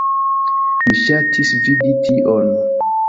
Mi ŝatis vidi tion.